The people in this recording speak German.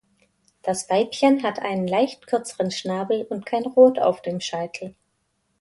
Das Weibchen hat einen leicht kürzeren Schnabel und kein Rot auf dem Scheitel.